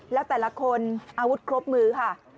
แล้วแต่ละคนอาวุธครบมือค่ะ